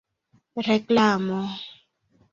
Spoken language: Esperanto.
reklamo